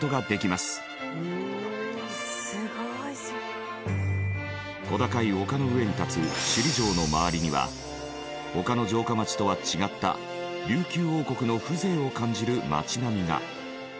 「すごい」小高い丘の上に立つ首里城の周りには他の城下町とは違った琉球王国の風情を感じる町並みが。